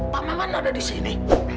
pak maman ada di sini